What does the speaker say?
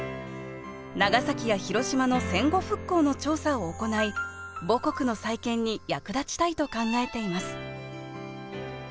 長崎や広島の戦後復興の調査を行い母国の再建に役立ちたいと考えています